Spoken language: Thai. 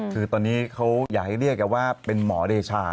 คือตอนนี้เขาอยากให้เรียกกันว่าเป็นหมอเดชา